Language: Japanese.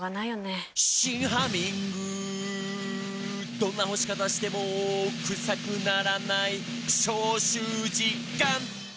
「どんな干し方してもクサくならない」「消臭実感！」